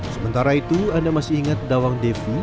sementara itu anda masih ingat dawang devi